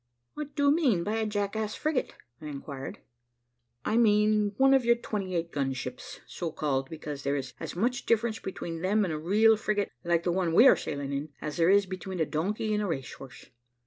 "What do you mean by a jackass frigate?" inquired I. "I mean one of your twenty eight gun ships, so called, because there is as much difference between them and a real frigate, like the one we are sailing in, as there is between a donkey and a race horse.